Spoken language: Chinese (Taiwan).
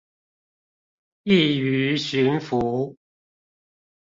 易於馴服